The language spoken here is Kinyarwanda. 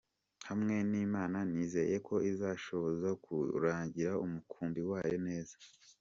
Hamwe n’Imana nizeye ko izanshoboza kuragira umukumbi wayo neza .